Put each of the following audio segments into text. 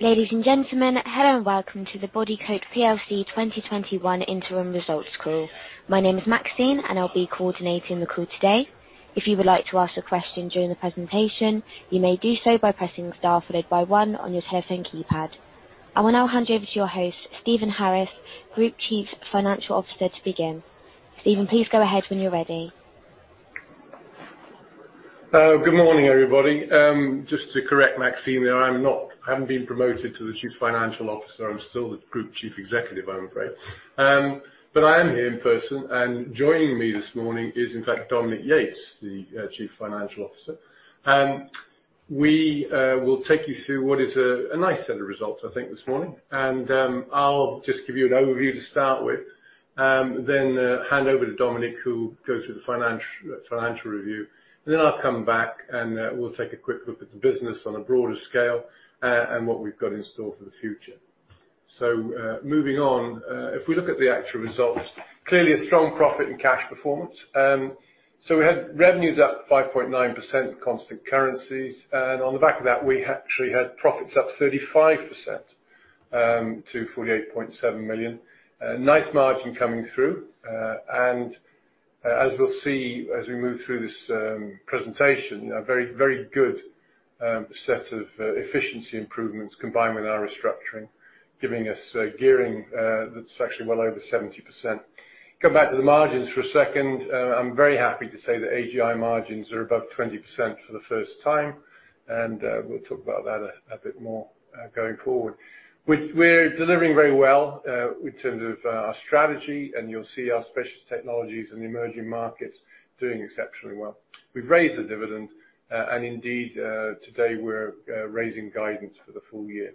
Ladies and gentlemen, hello and welcome to the Bodycote PLC 2021 Interim Results Call. My name is Maxine, and I'll be coordinating the call today. If you would like to ask a question during the presentation, you may do so by pressing star followed by one on your telephone keypad. I will now hand you over to your host, Stephen Harris, Group Chief Financial Officer, to begin. Stephen, please go ahead when you're ready. Good morning, everybody. Just to correct, Maxine, there, I'm not. I haven't been promoted to the Chief Financial Officer. I'm still the Group Chief Executive, I'm afraid. But I am here in person, and joining me this morning is, in fact, Dominique Yates, the Chief Financial Officer. We will take you through what is a nice set of results, I think, this morning. I'll just give you an overview to start with, then hand over to Dominique who goes through the financial, financial review. Then I'll come back and we'll take a quick look at the business on a broader scale, and what we've got in store for the future. So, moving on, if we look at the actual results, clearly a strong profit and cash performance. So we had revenues up 5.9% constant currencies, and on the back of that, we had actually had profits up 35%, to 48.7 million. Nice margin coming through. As we'll see as we move through this presentation, you know, very, very good set of efficiency improvements combined with our restructuring, giving us a gearing that's actually well over 70%. Come back to the margins for a second. I'm very happy to say that AGI margins are above 20% for the first time, and we'll talk about that a bit more going forward. We're delivering very well in terms of our strategy, and you'll see our Specialist Technologies and emerging markets doing exceptionally well. We've raised the dividend, and indeed, today we're raising guidance for the full year.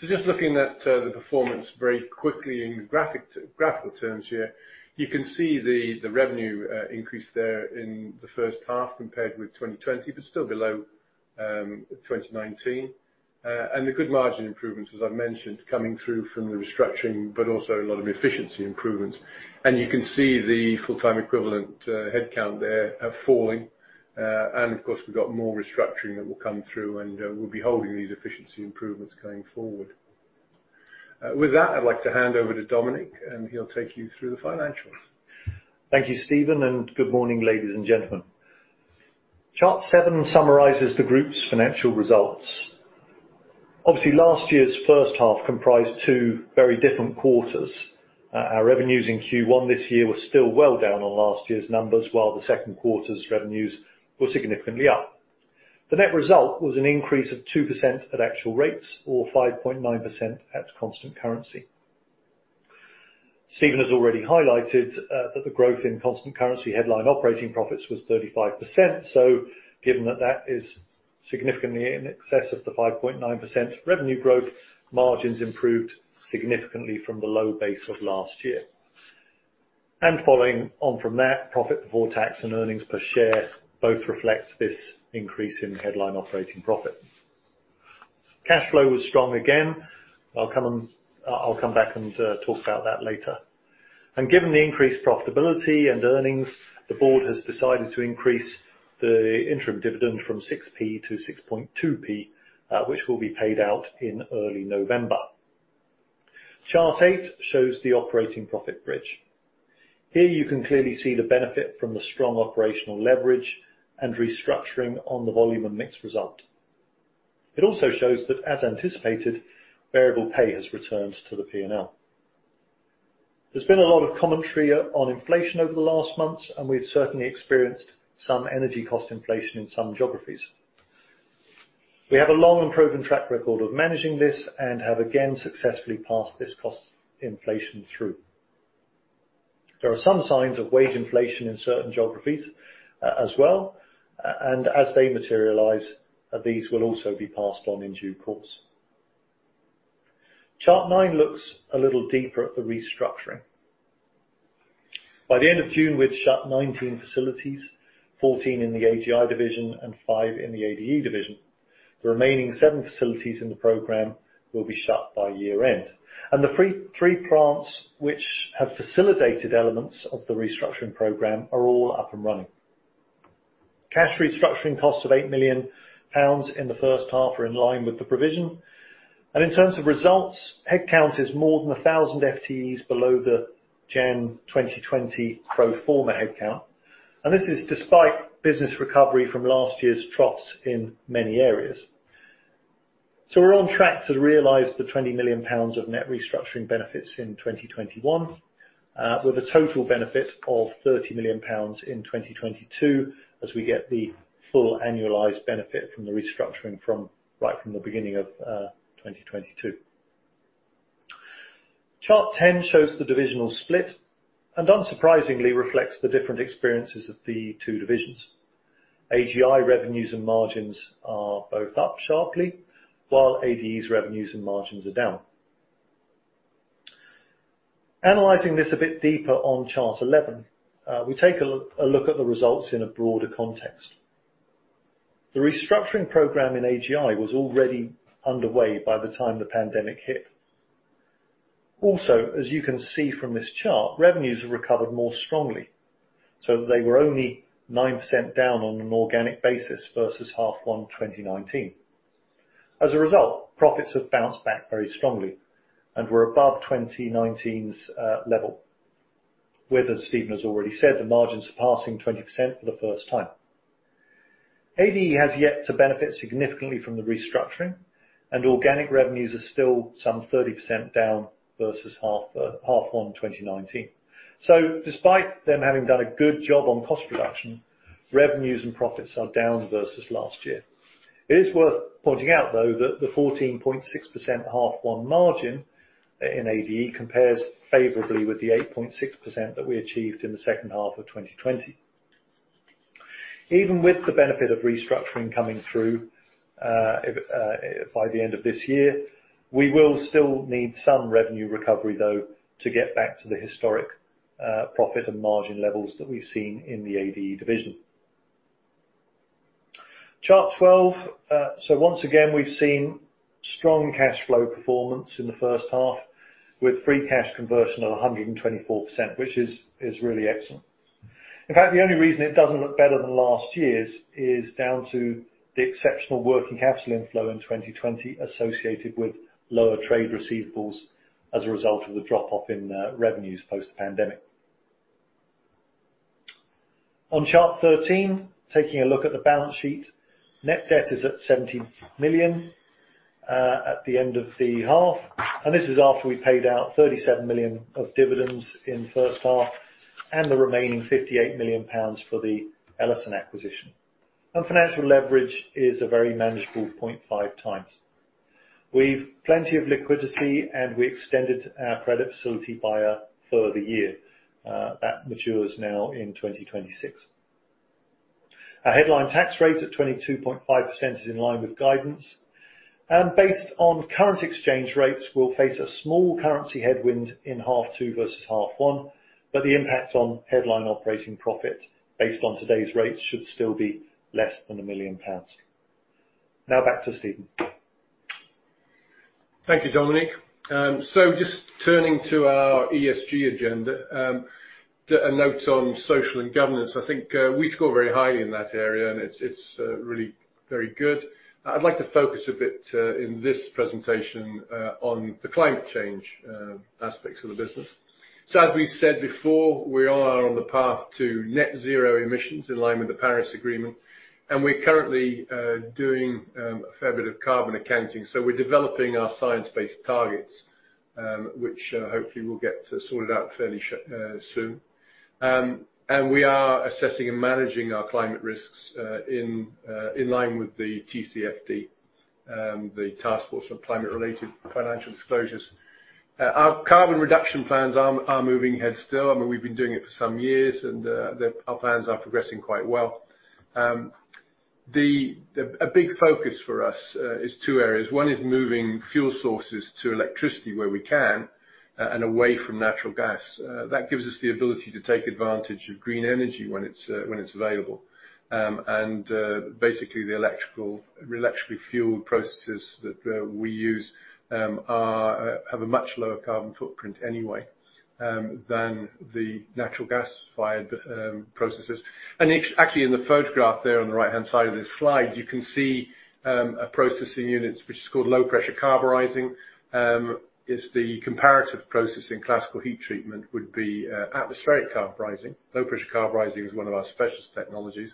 So, just looking at the performance very quickly in graphical terms here, you can see the revenue increase there in the first half compared with 2020, but still below 2019. And the good margin improvements, as I've mentioned, coming through from the restructuring, but also a lot of efficiency improvements. And you can see the full-time equivalent headcount there, falling. And of course, we've got more restructuring that will come through and we'll be holding these efficiency improvements going forward. With that, I'd like to hand over to Dominique, and he'll take you through the financials. Thank you, Stephen, and good morning, ladies and gentlemen. Chart seven summarizes the group's financial results. Obviously, last year's first half comprised two very different quarters. Our revenues in Q1 this year were still well down on last year's numbers, while the second quarter's revenues were significantly up. The net result was an increase of 2% at actual rates, or 5.9% at constant currency. Stephen has already highlighted that the growth in constant currency headline operating profits was 35%, so given that that is significantly in excess of the 5.9% revenue growth, margins improved significantly from the low base of last year. And following on from that, profit before tax and earnings per share both reflect this increase in headline operating profit. Cash flow was strong again. I'll come back and talk about that later. Given the increased profitability and earnings, the board has decided to increase the interim dividend from 0.06 to 0.062, which will be paid out in early November. Chart eight shows the operating profit bridge. Here you can clearly see the benefit from the strong operational leverage and restructuring on the volume and mixed result. It also shows that, as anticipated, variable pay has returned to the P&L. There's been a lot of commentary on inflation over the last months, and we've certainly experienced some energy cost inflation in some geographies. We have a long and proven track record of managing this and have again successfully passed this cost inflation through. There are some signs of wage inflation in certain geographies, as well, and as they materialize, these will also be passed on in due course. Chart nine looks a little deeper at the restructuring. By the end of June, we'd shut 19 facilities, 14 in the AGI division and five in the ADE division. The remaining seven facilities in the program will be shut by year-end. The three plants which have facilitated elements of the restructuring program are all up and running. Cash restructuring costs of 8 million pounds in the first half are in line with the provision. In terms of results, headcount is more than 1,000 FTEs below the end 2020 pro forma headcount. This is despite business recovery from last year's troughs in many areas. We're on track to realize the 20 million pounds of net restructuring benefits in 2021, with a total benefit of 30 million pounds in 2022 as we get the full annualized benefit from the restructuring from right from the beginning of 2022. Chart 10 shows the divisional split and, unsurprisingly, reflects the different experiences of the two divisions. AGI revenues and margins are both up sharply, while ADE's revenues and margins are down. Analyzing this a bit deeper on chart 11, we take a look at the results in a broader context. The restructuring program in AGI was already underway by the time the pandemic hit. Also, as you can see from this chart, revenues have recovered more strongly. So they were only 9% down on an organic basis versus half-one 2019. As a result, profits have bounced back very strongly and were above 2019's level, with, as Stephen has already said, the margins surpassing 20% for the first time. ADE has yet to benefit significantly from the restructuring, and organic revenues are still some 30% down versus half-one 2019. So despite them having done a good job on cost reduction, revenues and profits are down versus last year. It is worth pointing out, though, that the 14.6% half-one margin in ADE compares favorably with the 8.6% that we achieved in the second half of 2020. Even with the benefit of restructuring coming through, if by the end of this year, we will still need some revenue recovery, though, to get back to the historic profit and margin levels that we've seen in the ADE division. Chart 12, so once again, we've seen strong cash flow performance in the first half with free cash conversion at 124%, which is really excellent. In fact, the only reason it doesn't look better than last year's is down to the exceptional working capital inflow in 2020 associated with lower trade receivables as a result of the drop-off in revenues post-pandemic. On chart 13, taking a look at the balance sheet, net debt is at 70 million, at the end of the half. This is after we paid out 37 million of dividends in first half and the remaining 58 million pounds for the Ellison acquisition. Financial leverage is a very manageable 0.5x. We've plenty of liquidity, and we extended our credit facility by a further year that matures now in 2026. Our headline tax rate at 22.5% is in line with guidance. Based on current exchange rates, we'll face a small currency headwind in half-two versus half-one, but the impact on headline operating profit based on today's rates should still be less than 1 million pounds. Now back to Stephen. Thank you, Dominique. So just turning to our ESG agenda, a note on social and governance. I think we score very highly in that area, and it's really very good. I'd like to focus a bit, in this presentation, on the climate change aspects of the business. So as we've said before, we are on the path to net-zero emissions in line with the Paris Agreement, and we're currently doing a fair bit of carbon accounting. So we're developing our science-based targets, which hopefully we'll get to sorted out fairly soon. And we are assessing and managing our climate risks, in line with the TCFD, the Task Force on Climate-Related Financial Disclosures. Our carbon reduction plans are moving ahead still. I mean, we've been doing it for some years, and their plans are progressing quite well. A big focus for us is two areas. One is moving fuel sources to electricity where we can, and away from natural gas. That gives us the ability to take advantage of green energy when it's available. And basically, the electrically fueled processes that we use have a much lower carbon footprint anyway than the natural gas-fired processes. And actually, in the photograph there on the right-hand side of this slide, you can see a processing unit which is called low-pressure carburizing. The comparative process in classical heat treatment would be atmospheric carburizing. low-pressure carburizing is one of our Specialist Technologies.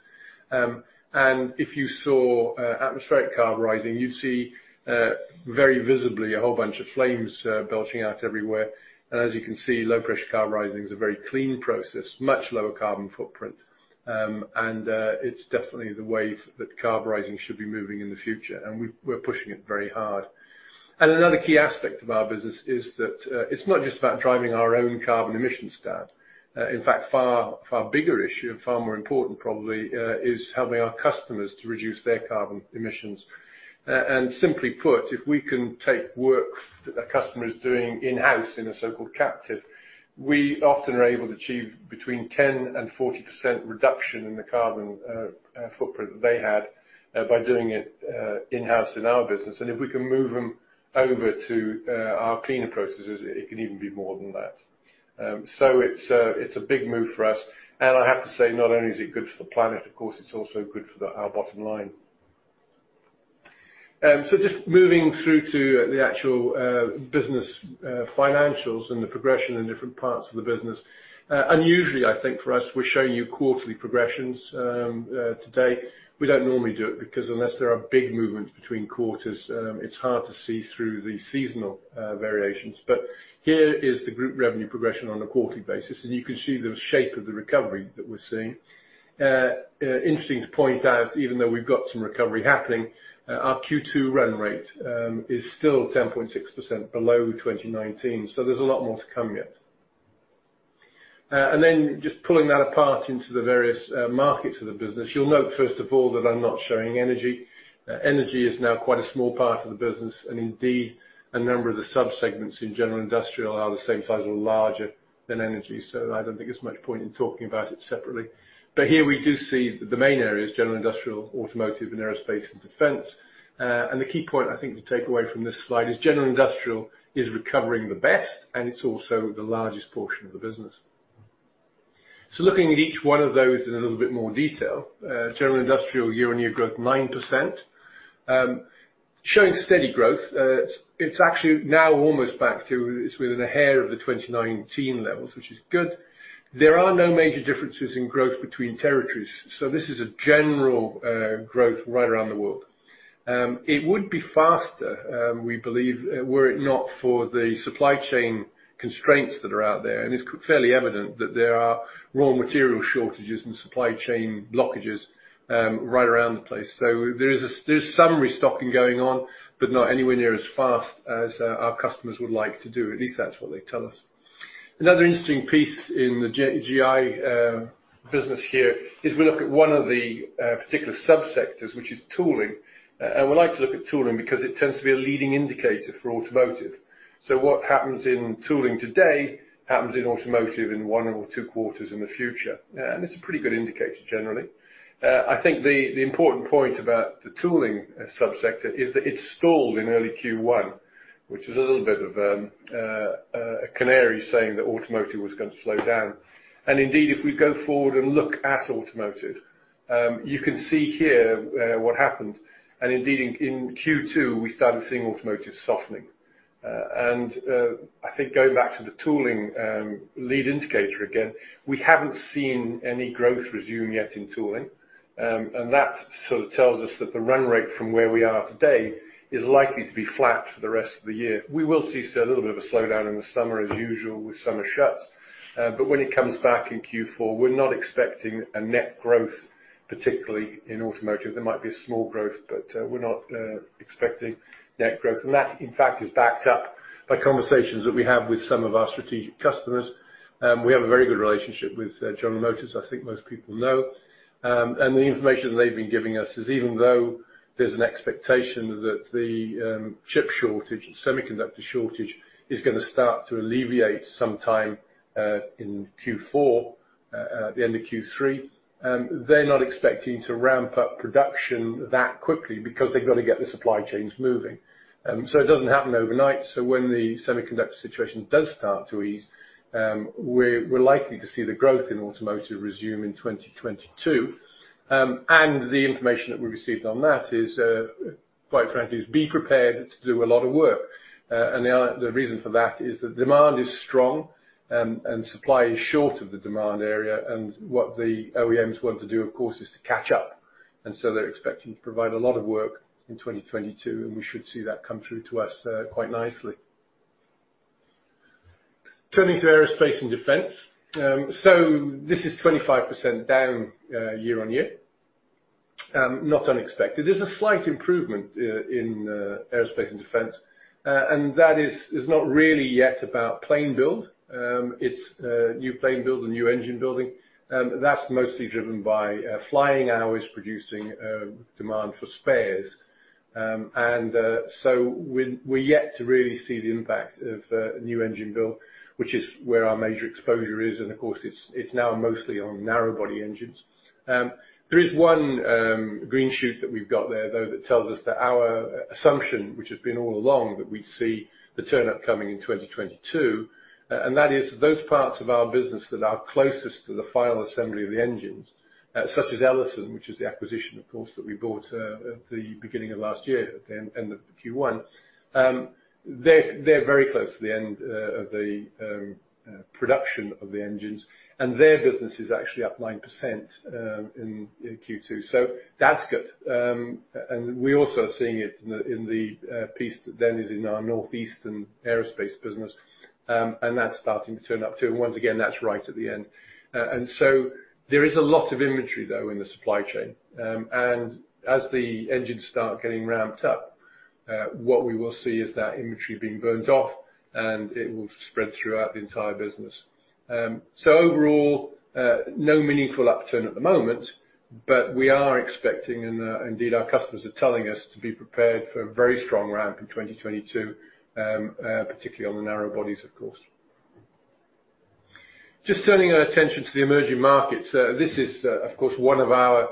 And if you saw atmospheric carburizing, you'd see very visibly a whole bunch of flames belching out everywhere. And as you can see, low-pressure carburizing is a very clean process, much lower carbon footprint. It's definitely the way that carburizing should be moving in the future, and we're pushing it very hard. Another key aspect of our business is that it's not just about driving our own carbon emissions down. In fact, far bigger issue and far more important, probably, is helping our customers to reduce their carbon emissions. And simply put, if we can take work that our customer is doing in-house in a so-called captive, we often are able to achieve between 10%-40% reduction in the carbon footprint that they had by doing it in-house in our business. And if we can move them over to our cleaner processes, it can even be more than that. So it's a big move for us. I have to say, not only is it good for the planet, of course, it's also good for our bottom line. Just moving through to the actual business financials and the progression in different parts of the business. Unusually, I think, for us, we're showing you quarterly progressions today. We don't normally do it because unless there are big movements between quarters, it's hard to see through the seasonal variations. But here is the group revenue progression on a quarterly basis, and you can see the shape of the recovery that we're seeing. Interesting to point out, even though we've got some recovery happening, our Q2 run rate is still 10.6% below 2019, so there's a lot more to come yet. Then just pulling that apart into the various markets of the business, you'll note, first of all, that I'm not showing energy. Energy is now quite a small part of the business, and indeed, a number of the subsegments in general industrial are the same size or larger than energy. So I don't think it's much point in talking about it separately. But here we do see the main areas: general industrial, automotive, and aerospace and defense. The key point, I think, to take away from this slide is general industrial is recovering the best, and it's also the largest portion of the business. So looking at each one of those in a little bit more detail, general industrial year-on-year growth 9%. Showing steady growth. It's, it's actually now almost back to it's within a hair of the 2019 levels, which is good. There are no major differences in growth between territories, so this is a general growth right around the world. It would be faster, we believe, were it not for the supply chain constraints that are out there. And it's fairly evident that there are raw material shortages and supply chain blockages, right around the place. So there is, there's some restocking going on, but not anywhere near as fast as our customers would like to do. At least that's what they tell us. Another interesting piece in the AGI business here is we look at one of the particular subsectors, which is tooling. We like to look at tooling because it tends to be a leading indicator for automotive. So what happens in tooling today happens in automotive in one or two quarters in the future. It's a pretty good indicator, generally. I think the important point about the tooling subsector is that it stalled in early Q1, which is a little bit of a canary saying that automotive was going to slow down. Indeed, if we go forward and look at automotive, you can see here what happened. Indeed, in Q2, we started seeing automotive softening. I think going back to the tooling lead indicator again, we haven't seen any growth resume yet in tooling. And that sort of tells us that the run rate from where we are today is likely to be flat for the rest of the year. We will see, sir, a little bit of a slowdown in the summer, as usual, with summer shuts. But when it comes back in Q4, we're not expecting a net growth, particularly in automotive. There might be a small growth, but we're not expecting net growth. And that, in fact, is backed up by conversations that we have with some of our strategic customers. We have a very good relationship with General Motors. I think most people know. And the information they've been giving us is even though there's an expectation that the chip shortage and semiconductor shortage is going to start to alleviate sometime in Q4, at the end of Q3, they're not expecting to ramp up production that quickly because they've got to get the supply chains moving. So it doesn't happen overnight. So when the semiconductor situation does start to ease, we're likely to see the growth in automotive resume in 2022. And the information that we received on that is, quite frankly, be prepared to do a lot of work. And the reason for that is that demand is strong, and supply is short of the demand area. And what the OEMs want to do, of course, is to catch up. And so they're expecting to provide a lot of work in 2022, and we should see that come through to us, quite nicely. Turning to aerospace and defense. So this is 25% down, year-on-year. Not unexpected. There's a slight improvement in aerospace and defense. And that is not really yet about plane build. It's new plane build and new engine building. That's mostly driven by flying hours producing demand for spares. And so we're yet to really see the impact of new engine build, which is where our major exposure is. And of course, it's now mostly on narrow-body engines. There is one green shoot that we've got there, though, that tells us that our assumption, which has been all along, that we'd see the turn up coming in 2022, and that is those parts of our business that are closest to the final assembly of the engines, such as Ellison, which is the acquisition, of course, that we bought at the beginning of last year at the end of Q1. They're very close to the end of the production of the engines, and their business is actually up 9% in Q2. So that's good. And we also are seeing it in the piece that then is in our Northeastern aerospace business. And that's starting to turn up too. And once again, that's right at the end. And so there is a lot of inventory, though, in the supply chain. And as the engines start getting ramped up, what we will see is that imagery being burned off, and it will spread throughout the entire business. So overall, no meaningful upturn at the moment, but we are expecting, and, indeed, our customers are telling us to be prepared for a very strong ramp in 2022, particularly on the narrow bodies, of course. Just turning our attention to the emerging markets. This is, of course, one of our,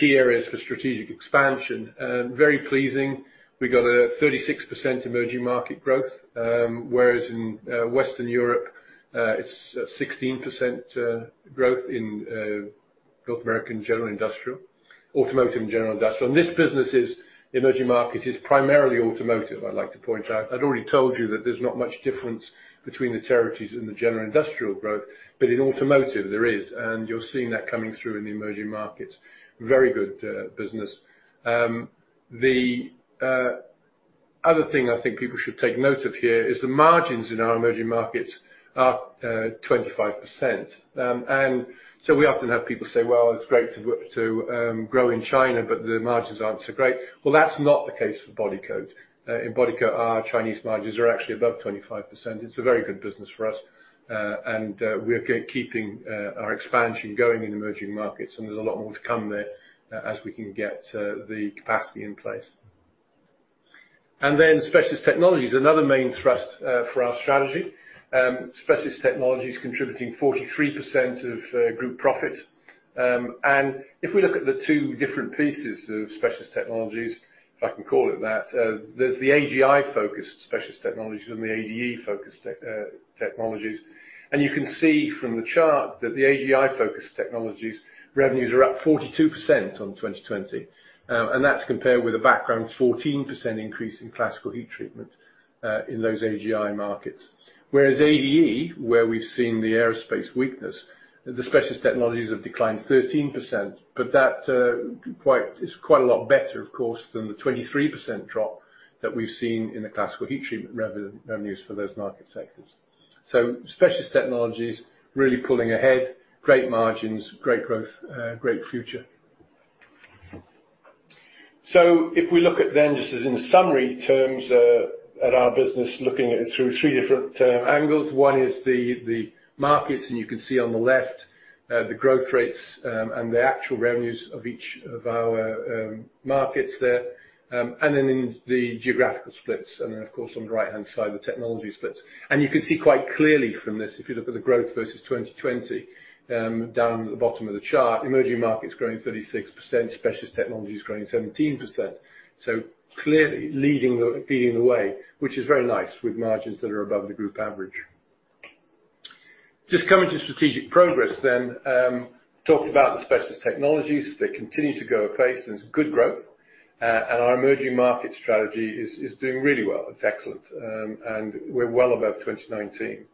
key areas for strategic expansion. Very pleasing. We got a 36% emerging market growth, whereas in, Western Europe, it's, 16%, growth in, North American general industrial, automotive and general industrial. And this business is emerging market is primarily automotive, I'd like to point out. I'd already told you that there's not much difference between the territories and the general industrial growth, but in automotive, there is. And you're seeing that coming through in the emerging markets. Very good business. The other thing I think people should take note of here is the margins in our emerging markets are 25%. And so we often have people say, "Well, it's great to grow in China, but the margins aren't so great." Well, that's not the case for Bodycote. In Bodycote, our Chinese margins are actually above 25%. It's a very good business for us. And we're keeping our expansion going in emerging markets, and there's a lot more to come there, as we can get the capacity in place. And then specialist technology is another main thrust for our strategy. Specialist technology is contributing 43% of group profit. If we look at the two different pieces of Specialist Technologies, if I can call it that, there's the AGI-focused Specialist Technologies and the ADE-focused technologies. You can see from the chart that the AGI-focused technologies revenues are up 42% on 2020, and that's compared with a background 14% increase in classical heat treatment, in those AGI markets. Whereas ADE, where we've seen the aerospace weakness, the Specialist Technologies have declined 13%, but that is quite a lot better, of course, than the 23% drop that we've seen in the classical heat treatment revenues for those market sectors. So Specialist Technologies really pulling ahead, great margins, great growth, great future. If we look at then just as in summary terms, at our business looking at it through three different angles. One is the, the markets, and you can see on the left, the growth rates, and the actual revenues of each of our markets there. And then in the geographical splits. And then, of course, on the right-hand side, the technology splits. And you can see quite clearly from this, if you look at the growth versus 2020, down at the bottom of the chart, emerging markets growing 36%, Specialist Technologies growing 17%. So clearly leading the leading the way, which is very nice with margins that are above the group average. Just coming to strategic progress then, talked about the Specialist Technologies. They continue to go apace, and it's good growth. And our emerging market strategy is, is doing really well. It's excellent. And we're well above 2019.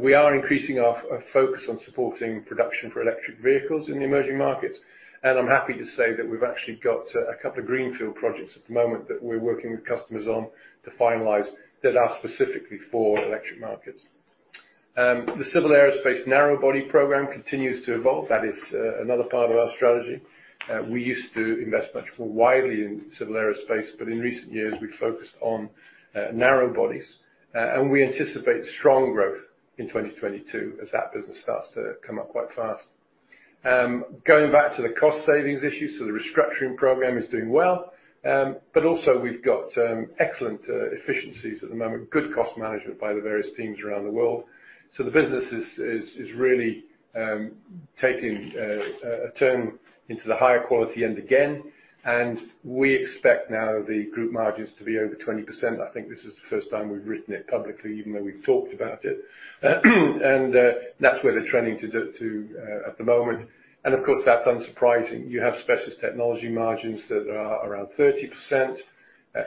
We are increasing our, our focus on supporting production for electric vehicles in the emerging markets. I'm happy to say that we've actually got a couple of greenfield projects at the moment that we're working with customers on to finalize that are specifically for electric markets. The civil aerospace narrow-body program continues to evolve. That is another part of our strategy. We used to invest much more widely in civil aerospace, but in recent years, we've focused on narrow-body. We anticipate strong growth in 2022 as that business starts to come up quite fast. Going back to the cost savings issues, the restructuring program is doing well. But also we've got excellent efficiencies at the moment, good cost management by the various teams around the world. So the business is really taking a turn into the higher quality end again. We expect now the group margins to be over 20%. I think this is the first time we've written it publicly, even though we've talked about it. And that's where they're trending to do too, at the moment. And of course, that's unsurprising. You have specialist technology margins that are around 30%,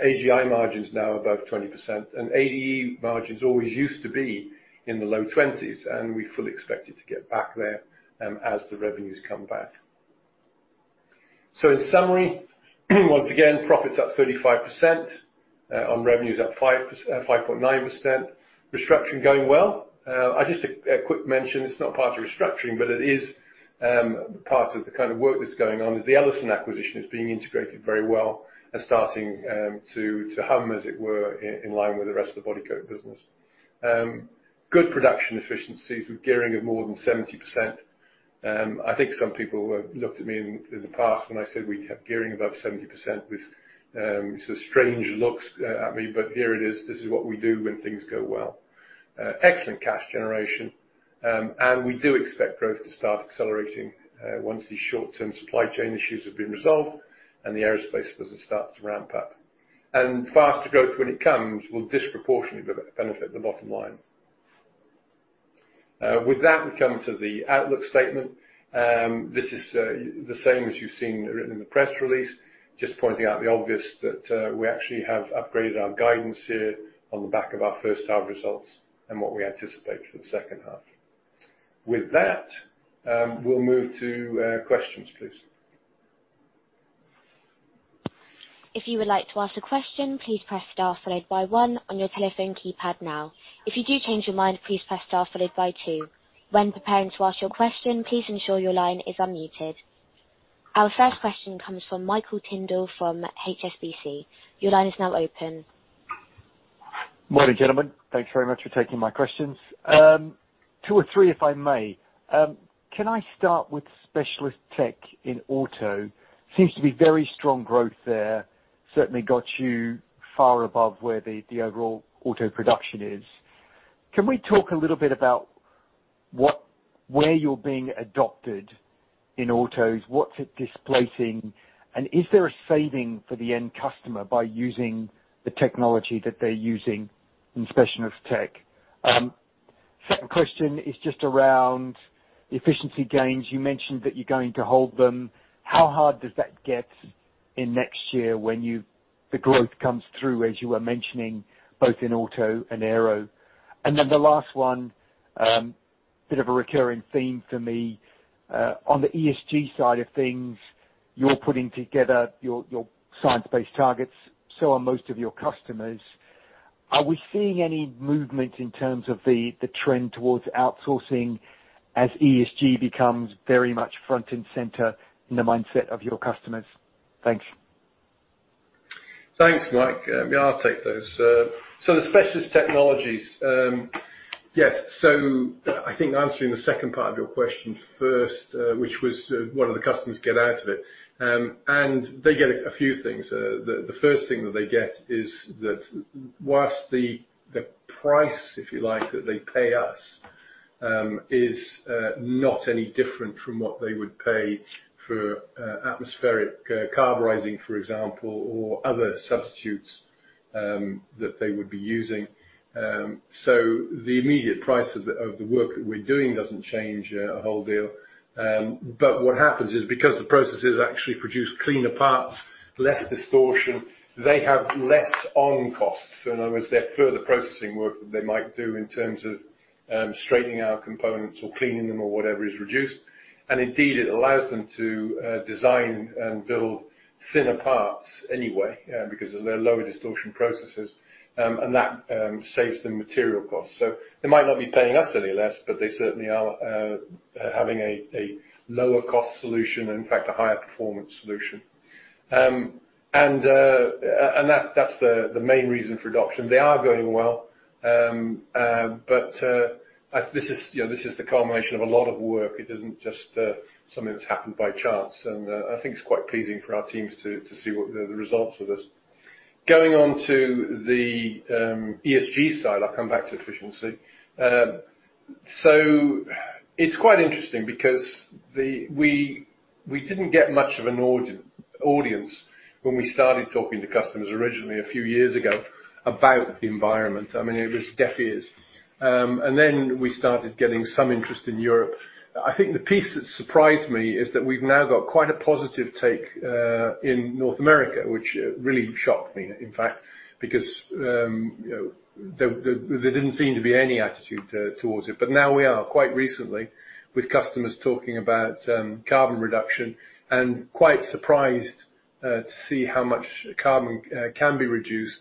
AGI margins now above 20%, and ADE margins always used to be in the low 20%s. And we fully expect it to get back there, as the revenues come back. So in summary, once again, profits up 35%, on revenues up 5.9%. Restructuring going well. I just, a quick mention. It's not part of restructuring, but it is part of the kind of work that's going on. The Ellison acquisition is being integrated very well and starting to hum, as it were, in line with the rest of the Bodycote business. Good production efficiencies with gearing of more than 70%. I think some people looked at me in the past when I said we'd have gearing above 70% with sort of strange looks at me. But here it is. This is what we do when things go well. Excellent cash generation. And we do expect growth to start accelerating, once these short-term supply chain issues have been resolved and the aerospace business starts to ramp up. And faster growth when it comes will disproportionately benefit the bottom line. With that, we come to the outlook statement. This is the same as you've seen written in the press release, just pointing out the obvious that we actually have upgraded our guidance here on the back of our first half results and what we anticipate for the second half. With that, we'll move to questions, please. If you would like to ask a question, please press star followed by one on your telephone keypad now. If you do change your mind, please press star followed by two. When preparing to ask your question, please ensure your line is unmuted. Our first question comes from Michael Tyndall from HSBC. Your line is now open. Morning, gentlemen. Thanks very much for taking my questions. Two or three, if I may. Can I start with specialist tech in auto? Seems to be very strong growth there. Certainly got you far above where the, the overall auto production is. Can we talk a little bit about what where you're being adopted in autos, what's it displacing, and is there a saving for the end customer by using the technology that they're using in specialist tech? Second question is just around efficiency gains. You mentioned that you're going to hold them. How hard does that get in next year when you the growth comes through, as you were mentioning, both in auto and aero? And then the last one, bit of a recurring theme for me. On the ESG side of things, you're putting together your, your science-based targets. So are most of your customers. Are we seeing any movement in terms of the trend towards outsourcing as ESG becomes very much front and center in the mindset of your customers? Thanks. Thanks, Mike. Yeah, I'll take those. So the Specialist Technologies. Yes. So, I think answering the second part of your question first, which was, what do the customers get out of it? And they get a few things. The first thing that they get is that while the price, if you like, that they pay us is not any different from what they would pay for atmospheric carburizing, for example, or other substitutes that they would be using. So the immediate price of the work that we're doing doesn't change a whole deal. But what happens is because the processes actually produce cleaner parts, less distortion, they have less on-costs. So in other words, their further processing work that they might do in terms of straightening our components or cleaning them or whatever is reduced. And indeed, it allows them to design and build thinner parts anyway, because of their lower distortion processes. And that saves them material costs. So they might not be paying us any less, but they certainly are having a lower-cost solution and, in fact, a higher-performance solution. And that is the main reason for adoption. They are going well. But this is, you know, this is the culmination of a lot of work. It isn't just something that's happened by chance. And I think it's quite pleasing for our teams to see what the results of this. Going on to the ESG side, I'll come back to efficiency. So it's quite interesting because we didn't get much of an audience when we started talking to customers originally a few years ago about the environment. I mean, it was deaf ears. And then we started getting some interest in Europe. I think the piece that surprised me is that we've now got quite a positive take in North America, which really shocked me, in fact, because, you know, there, there they didn't seem to be any attitude towards it. But now we are, quite recently, with customers talking about carbon reduction and quite surprised to see how much carbon can be reduced,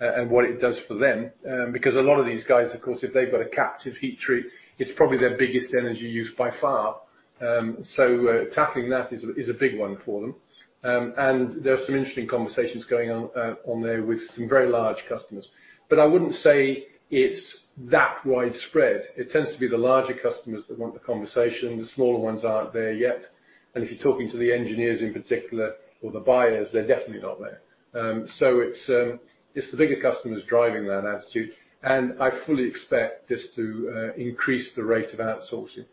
and what it does for them. Because a lot of these guys, of course, if they've got a captive heat treat, it's probably their biggest energy use by far. So tackling that is a big one for them. And there are some interesting conversations going on on there with some very large customers. But I wouldn't say it's that widespread. It tends to be the larger customers that want the conversation. The smaller ones aren't there yet. If you're talking to the engineers in particular or the buyers, they're definitely not there. So it's the bigger customers driving that attitude. I fully expect this to increase the rate of outsourcing,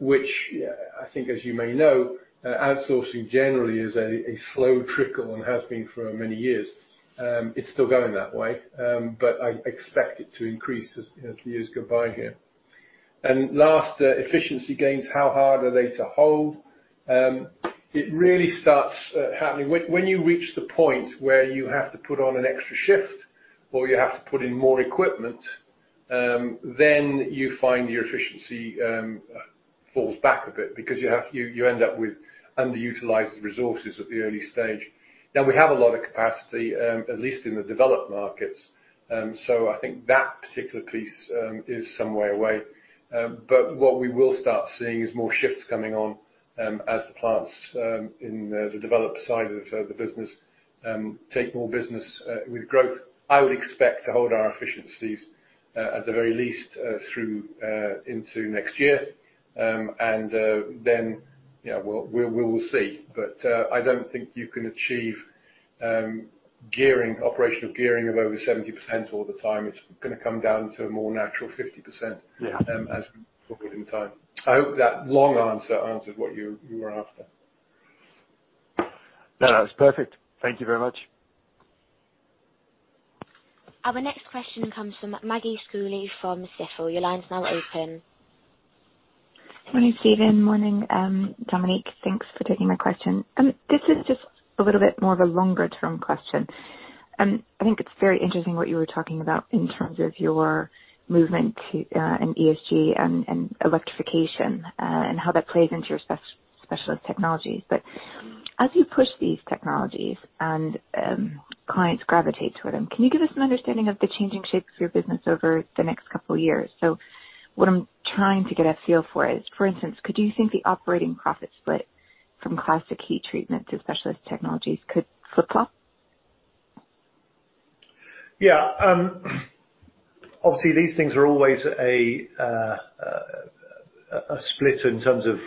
which, yeah, I think, as you may know, outsourcing generally is a slow trickle and has been for many years. It's still going that way. But I expect it to increase as the years go by here. Last, efficiency gains. How hard are they to hold? It really starts happening when you reach the point where you have to put on an extra shift or you have to put in more equipment. Then you find your efficiency falls back a bit because you end up with underutilized resources at the early stage. Now, we have a lot of capacity, at least in the developed markets. So I think that particular piece is some way away. But what we will start seeing is more shifts coming on, as the plants in the developed side of the business take more business with growth. I would expect to hold our efficiencies, at the very least, through into next year. And then, you know, we'll see. But I don't think you can achieve gearing operational gearing of over 70% all the time. It's gonna come down to a more natural 50%, as we move forward in time. I hope that long answer answered what you were after. No, no. It's perfect. Thank you very much. Our next question comes from Maggie Schooley from Stifel. Your line's now open. Morning, Stephen. Morning, Dominique. Thanks for taking my question. This is just a little bit more of a longer-term question. I think it's very interesting what you were talking about in terms of your movement to an ESG and electrification, and how that plays into your Specialist Technologies. But as you push these technologies and clients gravitate toward them, can you give us an understanding of the changing shape of your business over the next couple of years? So what I'm trying to get a feel for is, for instance, could you think the operating profit split from classic heat treatment to Specialist Technologies could flip-flop? Yeah. Obviously, these things are always a split in terms of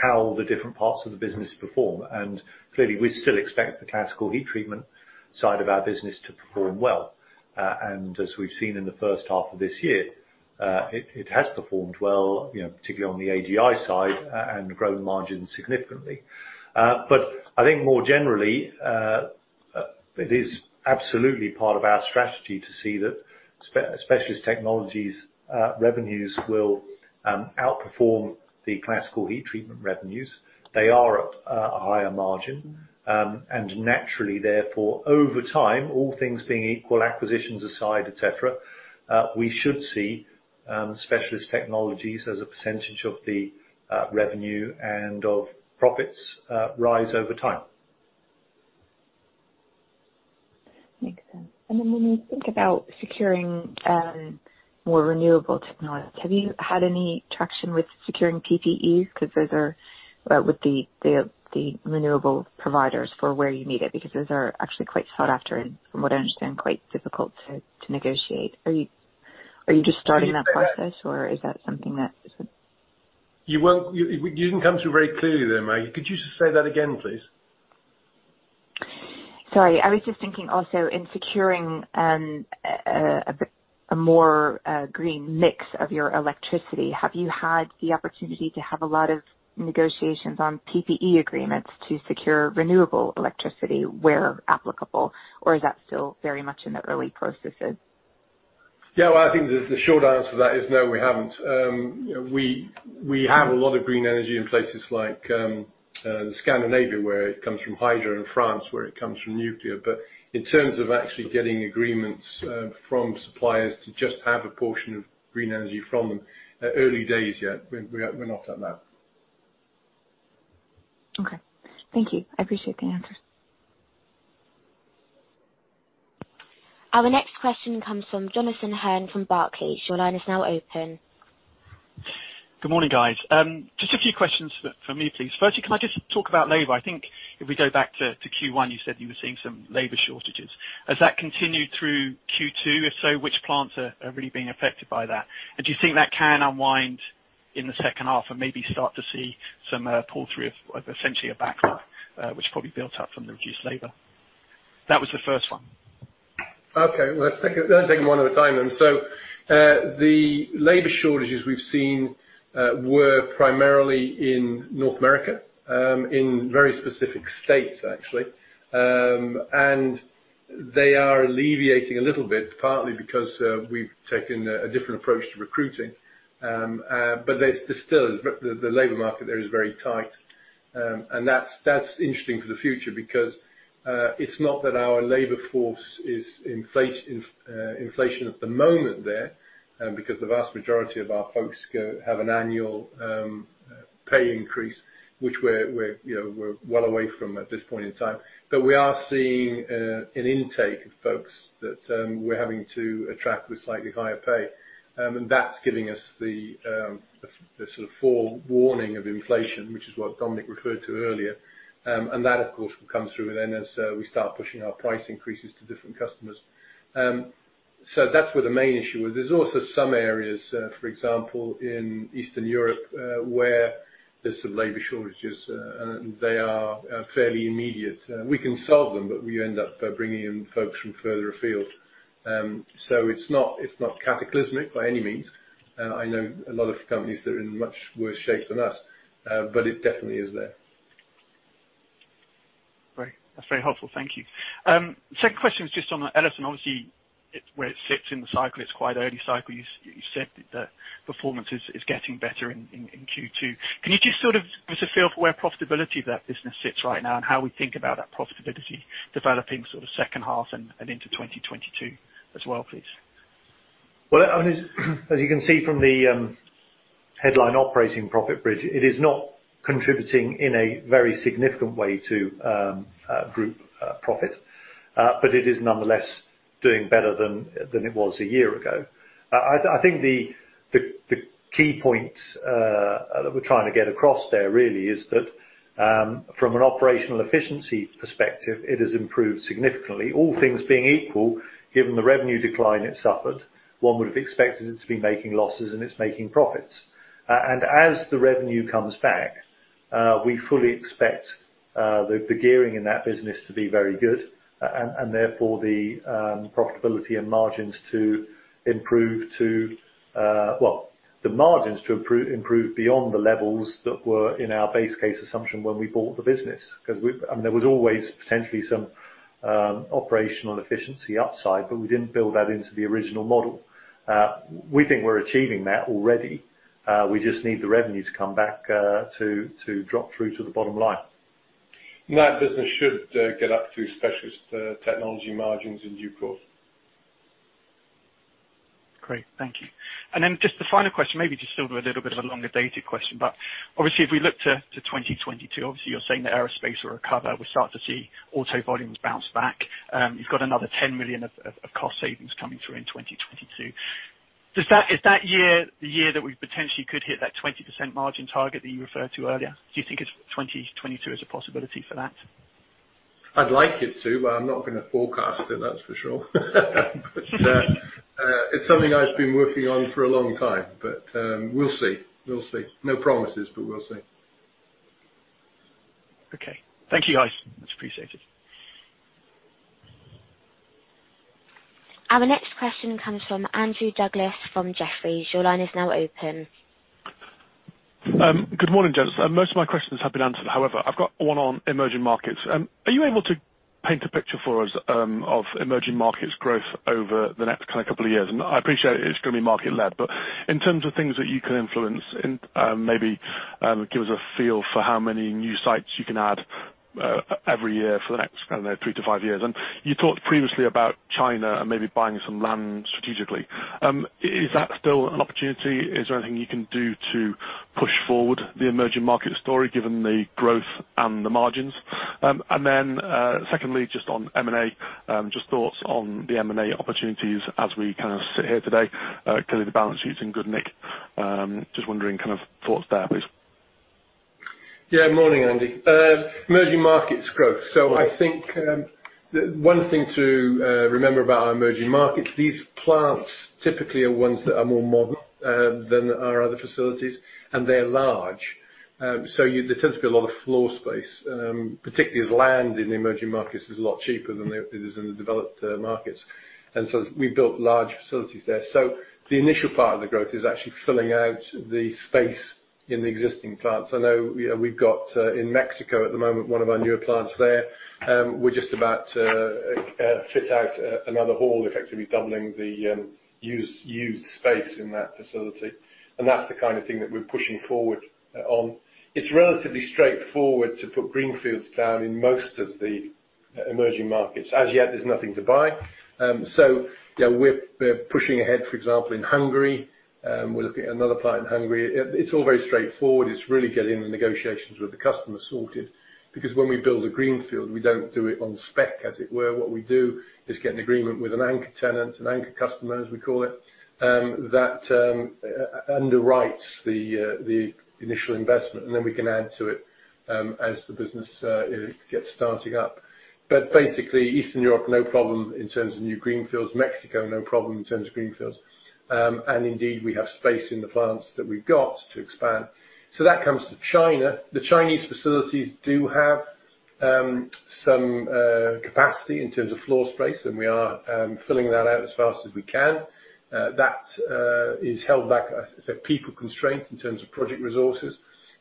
how the different parts of the business perform. And clearly, we still expect the classical heat treatment side of our business to perform well. And as we've seen in the first half of this year, it has performed well, you know, particularly on the AGI side, and grown margins significantly. But I think more generally, it is absolutely part of our strategy to see that Specialist Technologies revenues will outperform the classical heat treatment revenues. They are at a higher margin. And naturally, therefore, over time, all things being equal, acquisitions aside, etc., we should see Specialist Technologies as a percentage of the revenue and of profits rise over time. Makes sense. Then when you think about securing more renewable technologies, have you had any traction with securing PPAs? 'Cause those are with the renewable providers for where you need it because those are actually quite sought after and, from what I understand, quite difficult to negotiate. Are you just starting that process, or is that something that is? You know, you didn't come through very clearly there, Maggie. Could you just say that again, please? Sorry. I was just thinking also in securing a more green mix of your electricity, have you had the opportunity to have a lot of negotiations on PPA agreements to secure renewable electricity where applicable, or is that still very much in the early processes? Yeah. Well, I think the short answer to that is no, we haven't. You know, we have a lot of green energy in places like Scandinavia where it comes from hydro and France where it comes from nuclear. But in terms of actually getting agreements from suppliers to just have a portion of green energy from them, early days yet. We're not at that. Okay. Thank you. I appreciate the answers. Our next question comes from Jonathan Hurn from Barclays. Your line is now open. Good morning, guys. Just a few questions for me, please. Firstly, can I just talk about labor? I think if we go back to Q1, you said you were seeing some labor shortages. Has that continued through Q2? If so, which plants are really being affected by that? And do you think that can unwind in the second half and maybe start to see some pull-through of essentially a backlog, which probably built up from the reduced labor? That was the first one. Okay. Let's take them one at a time then. So, the labor shortages we've seen were primarily in North America, in very specific states, actually. And they are alleviating a little bit, partly because we've taken a different approach to recruiting. But there's still the labor market there is very tight. And that's interesting for the future because it's not that our labor force is inflating at the moment there, because the vast majority of our folks have an annual pay increase, which we're, you know, well away from at this point in time. But we are seeing an intake of folks that we're having to attract with slightly higher pay. And that's giving us the sort of forewarning of inflation, which is what Dominique referred to earlier. That, of course, will come through then as we start pushing our price increases to different customers. So that's where the main issue was. There's also some areas, for example, in Eastern Europe, where there's some labor shortages, and they are fairly immediate. We can solve them, but we end up bringing in folks from further afield. So it's not cataclysmic by any means. I know a lot of companies that are in much worse shape than us, but it definitely is there. Great. That's very helpful. Thank you. Second question is just on Ellison. Obviously, it's where it sits in the cycle, it's quite early cycle. You've said that performance is getting better in Q2. Can you just sort of give us a feel for where profitability of that business sits right now and how we think about that profitability developing sort of second half and into 2022 as well, please? Well, I mean, as you can see from the headline operating profit bridge, it is not contributing in a very significant way to group profit. But it is nonetheless doing better than it was a year ago. I think the key points that we're trying to get across there really is that, from an operational efficiency perspective, it has improved significantly. All things being equal, given the revenue decline it suffered, one would have expected it to be making losses, and it's making profits. And as the revenue comes back, we fully expect the gearing in that business to be very good, and therefore the profitability and margins to improve to, well, the margins to improve beyond the levels that were in our base case assumption when we bought the business 'cause we I mean, there was always potentially some operational efficiency upside, but we didn't build that into the original model. We think we're achieving that already. We just need the revenue to come back to drop through to the bottom line. And that business should get up to specialist technology margins in due course. Great. Thank you. And then just the final question, maybe just sort of a little bit of a longer-dated question. But obviously, if we look to 2022, obviously, you're saying that aerospace will recover. We start to see auto volumes bounce back. You've got another 10 million of cost savings coming through in 2022. Does that is that year the year that we potentially could hit that 20% margin target that you referred to earlier? Do you think it's 2022 is a possibility for that? I'd like it to, but I'm not gonna forecast it, that's for sure. But, it's something I've been working on for a long time. But, we'll see. We'll see. No promises, but we'll see. Okay. Thank you, guys. That's appreciated. Our next question comes from Andrew Douglas from Jefferies. Your line is now open. Good morning, gents. Most of my questions have been answered. However, I've got one on emerging markets. Are you able to paint a picture for us, of emerging markets growth over the next kinda couple of years? And I appreciate it's gonna be market-led, but in terms of things that you can influence in, maybe, give us a feel for how many new sites you can add, every year for the next, I don't know, 3-5 years. And you talked previously about China and maybe buying some land strategically. Is that still an opportunity? Is there anything you can do to push forward the emerging market story given the growth and the margins? And then, secondly, just on M&A, just thoughts on the M&A opportunities as we kinda sit here today. Clearly, the balance sheet's in good nick. Just wondering kind of thoughts there, please. Yeah. Morning, Andy. Emerging markets growth. So I think the one thing to remember about our emerging markets—these plants typically are ones that are more modern than our other facilities, and they're large. So, you know, there tends to be a lot of floor space, particularly as land in the emerging markets is a lot cheaper than it is in the developed markets. And so we built large facilities there. So the initial part of the growth is actually filling out the space in the existing plants. I know, you know, we've got in Mexico at the moment one of our newer plants there. We're just about to fit out another hall, effectively doubling the used space in that facility. And that's the kinda thing that we're pushing forward on. It's relatively straightforward to put greenfields down in most of the emerging markets. As yet, there's nothing to buy. So, you know, we're, we're pushing ahead, for example, in Hungary. We're looking at another plant in Hungary. It's all very straightforward. It's really getting the negotiations with the customer sorted because when we build a greenfield, we don't do it on spec, as it were. What we do is get an agreement with an anchor tenant, an anchor customer, as we call it, that underwrites the initial investment. And then we can add to it, as the business, it gets starting up. But basically, Eastern Europe, no problem in terms of new greenfields. Mexico, no problem in terms of greenfields. And indeed, we have space in the plants that we've got to expand. So that comes to China. The Chinese facilities do have some capacity in terms of floor space, and we are filling that out as fast as we can. That is held back, as I said, people constraint in terms of project resources.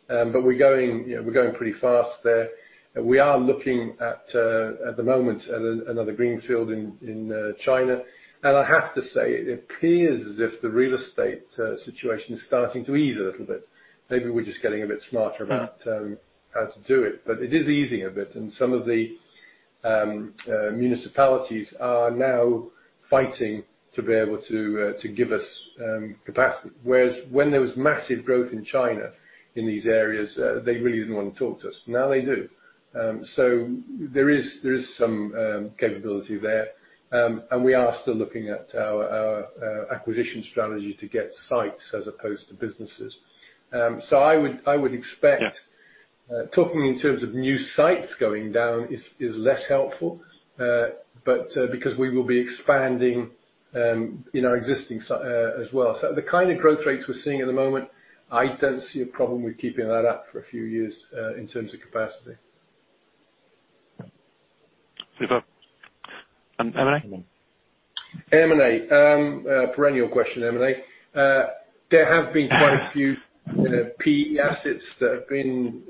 But we're going, you know, we're going pretty fast there. We are looking at the moment at another greenfield in China. And I have to say, it appears as if the real estate situation is starting to ease a little bit. Maybe we're just getting a bit smarter about how to do it. But it is easing a bit. And some of the municipalities are now fighting to be able to give us capacity. Whereas when there was massive growth in China in these areas, they really didn't wanna talk to us. Now they do. So there is some capability there. And we are still looking at our acquisition strategy to get sites as opposed to businesses. So I would expect. Yeah. Talking in terms of new sites going down is less helpful, but because we will be expanding in our existing sites as well. So the kinda growth rates we're seeing at the moment, I don't see a problem with keeping that up for a few years, in terms of capacity. Super. And M&A? M&A. Perennial question, M&A. There have been quite a few PE assets that have been,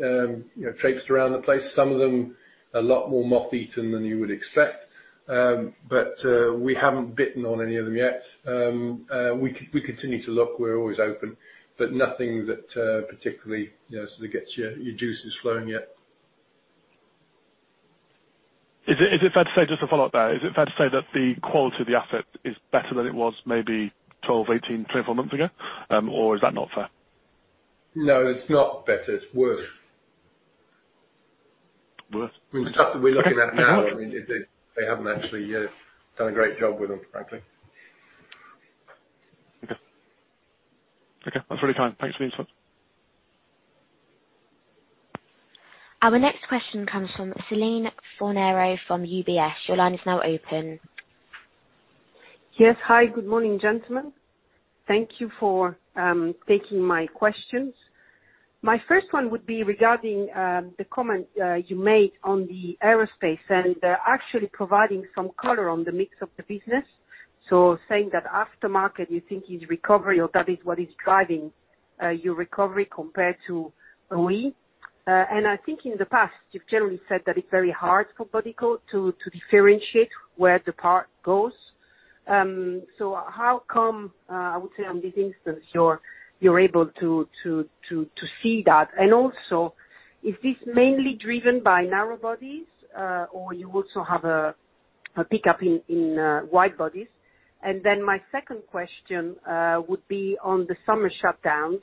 you know, traipsed around the place, some of them a lot more moth-eaten than you would expect. But we haven't bitten on any of them yet. We could we continue to look. We're always open, but nothing that, particularly, you know, sort of gets your, your juices flowing yet. Is it fair to say, just to follow up there, that the quality of the asset is better than it was maybe 12, 18, 24 months ago, or is that not fair? No, it's not better. It's worse. Worse? I mean, the stuff that we're looking at now, I mean, they haven't actually done a great job with them, frankly. Okay. Okay. That's really kind. Thanks for the insights. Our next question comes from Celine Fornaro from UBS. Your line is now open. Yes. Hi. Good morning, gentlemen. Thank you for taking my questions. My first one would be regarding the comment you made on the aerospace and actually providing some color on the mix of the business. So saying that aftermarket you think is recovery or that is what is driving your recovery compared to an OEM. And I think in the past, you've generally said that it's very hard for Bodycote to differentiate where the part goes. So how come, I would say on this instance, you're able to see that? And also, is this mainly driven by narrow bodies, or you also have a pickup in wide bodies? And then my second question would be on the summer shutdowns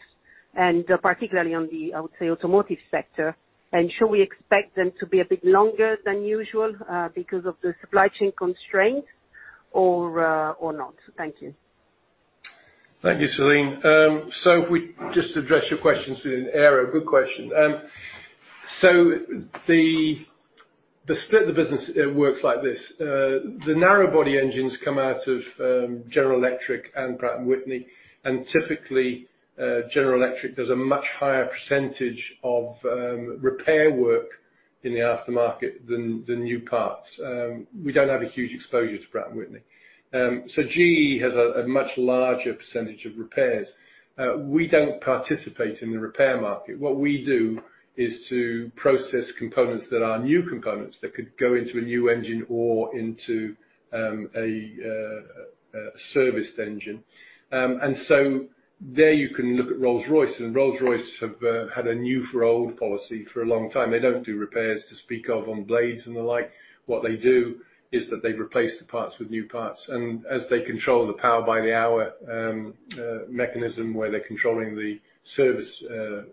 and particularly on the, I would say, automotive sector. Shall we expect them to be a bit longer than usual, because of the supply chain constraints, or, or not? Thank you. Thank you, Celine. So if we just address your questions within aero, a good question. So the split of the business works like this. The narrow-body engines come out of General Electric and Pratt & Whitney. And typically, General Electric does a much higher percentage of repair work in the aftermarket than new parts. We don't have a huge exposure to Pratt & Whitney. So GE has a much larger percentage of repairs. We don't participate in the repair market. What we do is to process components that are new components that could go into a new engine or into a serviced engine. And so there you can look at Rolls-Royce. And Rolls-Royce have had a new-for-old policy for a long time. They don't do repairs to speak of on blades and the like. What they do is that they replace the parts with new parts. And as they control the Power-by-the-Hour mechanism where they're controlling the service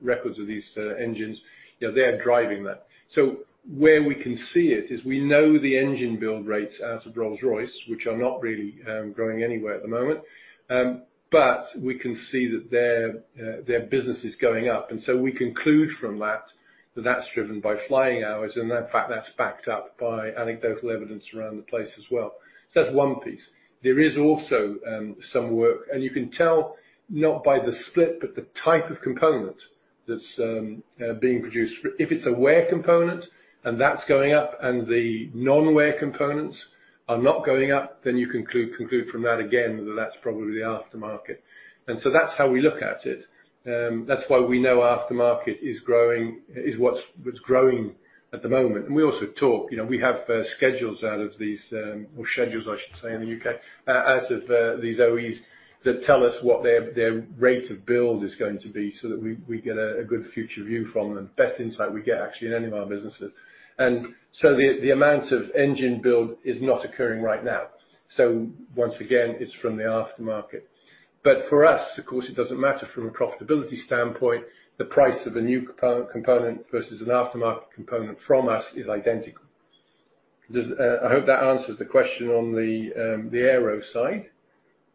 records of these engines, you know, they are driving that. So where we can see it is we know the engine build rates out of Rolls-Royce, which are not really growing anywhere at the moment, but we can see that their business is going up. And so we conclude from that that that's driven by flying hours. And in fact, that's backed up by anecdotal evidence around the place as well. So that's one piece. There is also some work. And you can tell not by the split, but the type of component that's being produced. If it's a wear component and that's going up and the non-wear components are not going up, then you conclude from that again that that's probably the aftermarket. That's how we look at it. That's why we know aftermarket is growing, is what's growing at the moment. We also talk, you know. We have schedules out of these, or schedules, I should say, in the U.K., out of these OEs that tell us what their rate of build is going to be so that we get a good future view from them, best insight we get actually in any of our businesses. The amount of engine build is not occurring right now. So once again, it's from the aftermarket. But for us, of course, it doesn't matter. From a profitability standpoint, the price of a new component versus an aftermarket component from us is identical. I hope that answers the question on the aero side.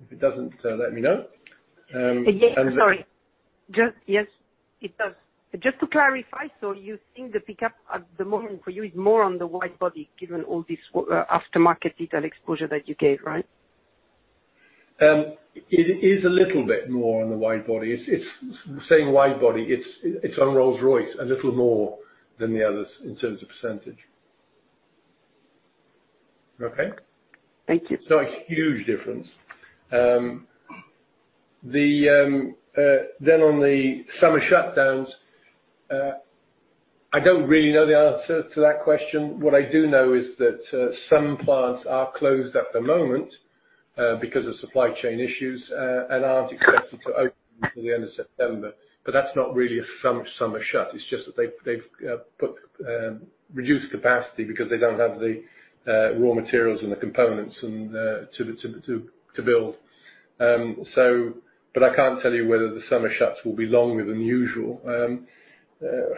If it doesn't, let me know. Yes. Sorry. Just yes. It does. Just to clarify, so you think the pickup at the moment for you is more on the wide body given all this wide aftermarket detail exposure that you gave, right? It is a little bit more on the wide-body. It's, it's saying wide-body, it's, it's on Rolls-Royce a little more than the others in terms of percentage. Okay? Thank you. It's not a huge difference. Then on the summer shutdowns, I don't really know the answer to that question. What I do know is that some plants are closed at the moment, because of supply chain issues, and aren't expected to open until the end of September. But that's not really a summer shut. It's just that they've reduced capacity because they don't have the raw materials and the components to build. But I can't tell you whether the summer shuts will be longer than usual.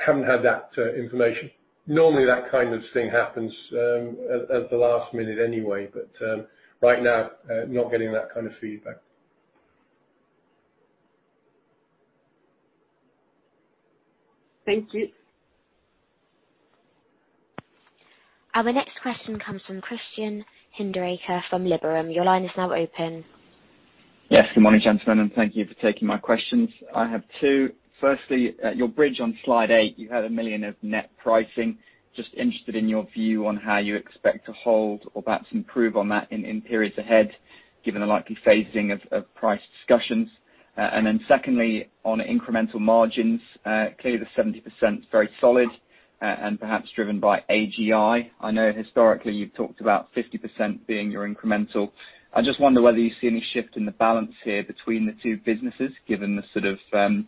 Haven't had that information. Normally, that kind of thing happens at the last minute anyway. But right now, not getting that kind of feedback. Thank you. Our next question comes from Christian Hinderaker from Liberum. Your line is now open. Yes. Good morning, gentlemen. Thank you for taking my questions. I have two. Firstly, at your bridge on slide eight, you had 1 million of net pricing. Just interested in your view on how you expect to hold or perhaps improve on that in, in periods ahead given the likely phasing of, of price discussions. Then secondly, on incremental margins, clearly the 70% very solid, and perhaps driven by AGI. I know historically, you've talked about 50% being your incremental. I just wonder whether you see any shift in the balance here between the two businesses given the sort of,